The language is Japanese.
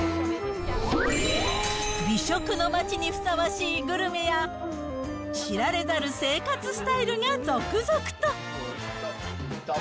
美食の街にふさわしいグルメや、知られざる生活スタイルが続々と。